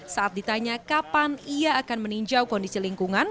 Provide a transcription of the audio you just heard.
saat ditanya kapan ia akan meninjau kondisi lingkungan